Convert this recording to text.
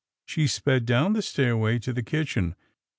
she sped down the stairway to the kitchen.